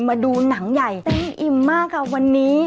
มาดูหนังใหญ่เต็มอิ่มมากค่ะวันนี้